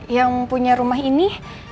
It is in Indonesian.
yang punya rumah ini